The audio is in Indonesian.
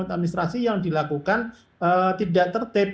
administrasi yang dilakukan tidak tertib